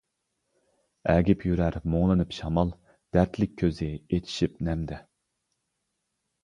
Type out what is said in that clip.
ئەگىپ يۈرەر مۇڭلىنىپ شامال، دەردلىك كۆزى ئېچىشىپ نەمدە.